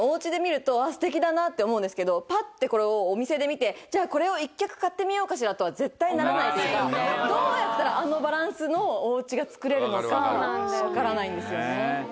だなって思うんですけどパッてこれをお店で見てこれを１脚買ってみようかしらとは絶対ならないというかどうやったらあのバランスのお家が作れるのか分からないんですよね。